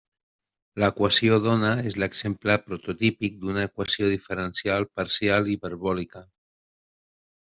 L'equació d'ona és l'exemple prototípic d'una equació diferencial parcial hiperbòlica.